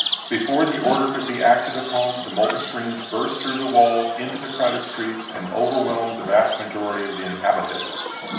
Before the order could be acted upon the molten streams burst through the walls into the crowded streets, and overwhelmed the vast majority of the inhabitants.